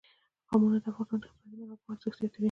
قومونه د افغانستان د اقتصادي منابعو ارزښت زیاتوي.